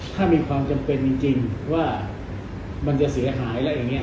ถ้ามีความจำเป็นจริงว่ามันจะเสียหายแล้วอย่างนี้